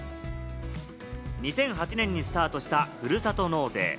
２００８年にスタートした、ふるさと納税。